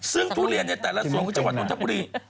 ซึ่งทุเรียนในแต่ละสวนของจังหวัดนทบุรี